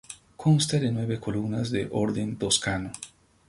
Consta de nueve columnas de orden toscano.